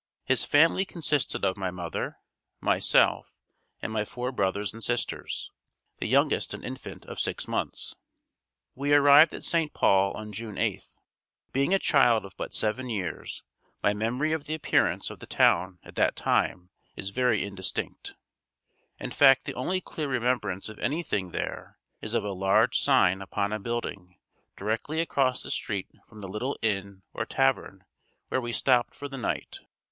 His family consisted of my mother, myself and my four brothers and sisters, the youngest an infant of six months. We arrived at St. Paul on June 8. Being a child of but seven years, my memory of the appearance of the town at that time, is very indistinct. In fact the only clear remembrance of anything there, is of a large sign upon a building directly across the street from the little inn or tavern where we stopped for the night.